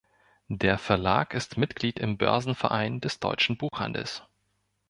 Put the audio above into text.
Der Verlag ist Mitglied im Börsenverein des Deutschen Buchhandels.